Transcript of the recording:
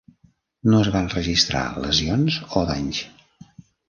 No es van registrar lesions o danys.